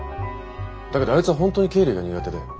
だけどあいつは本当に経理が苦手で。